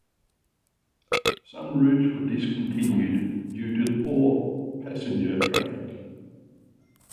Some routes were discontinued due to the poor passenger traffic.